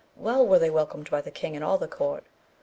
Well were they welcomed by the king and all the court.